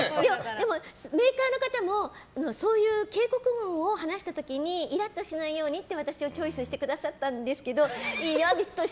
でも、メーカーの方もそういう警告音を話した時にイラッとしないように私をチョイスしてくださったんですけど。